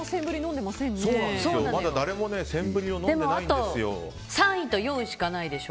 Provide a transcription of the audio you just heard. でも、あと３位と４位しかないでしょ。